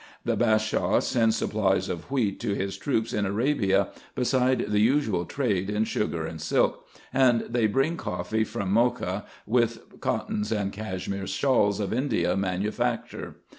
The Bashaw sends supplies of wheat to his troops in Arabia, beside the usual trade in sugar and silk ; and they bring coffee from Mocha, with cottons and Cashmire shawls of India manufacture.